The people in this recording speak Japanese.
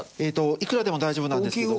いくらでも大丈夫なんですけど。